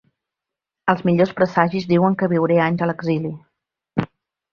Els millors presagis diuen que viuré anys a l’exili.